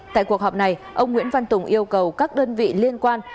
tại cuộc họp này ông nguyễn văn tùng yêu cầu các đơn vị liên quan